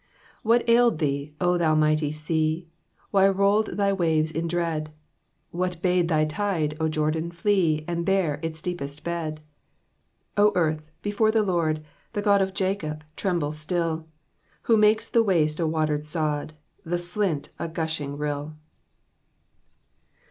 What ailM thee. O thou miffhty sea ? Why roll'd thy waves lu drcud ? What bade thy tide. O Jordan, flee And bare \\& deepest bed ? O earth, before the Lord, the God Of Jacob, tremble still ; Who makes tlie waste n wntcr'd sod, The flint a ^ushin^ rill.''